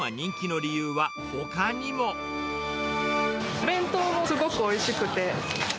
お弁当もすごくおいしくて。